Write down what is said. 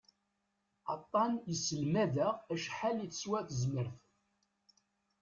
Aṭṭan yesselmad-aɣ acḥal i teswa tezmert.